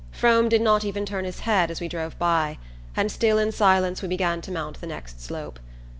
Frome did not even turn his head as we drove by, and still in silence we began to mount the next slope.